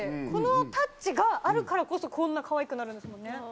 このタッチがあるからこそこんなかわいくなるんですもんね。